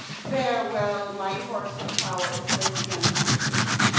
"Farewell, my horse of power," says the young archer.